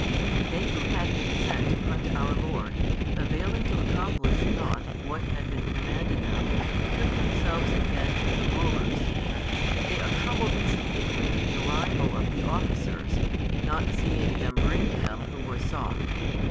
They who had been sent to hunt our Lord, availing to accomplish nought of what had been commanded them took themselves again to the rulers. And they are troubled exceedingly at the arrival of the officers, not seeing them bring Him Who was sought.